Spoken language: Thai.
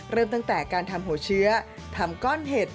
เริ่มตั้งแต่การทำหัวเชื้อทำก้อนเห็ด